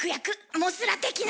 モスラ的な。